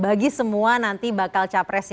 bagi semua nanti bakal cawapres yang ikut berkonteks ini